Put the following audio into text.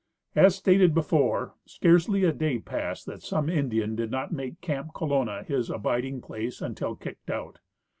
As stated before, scarcely a day passed that some Indian did not make camp Colonna his abiding place until kicked out.